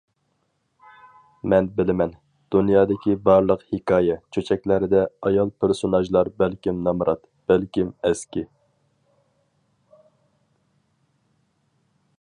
مەن بىلىمەن، دۇنيادىكى بارلىق ھېكايە، چۆچەكلەردە ئايال پېرسوناژلار بەلكىم نامرات، بەلكىم ئەسكى.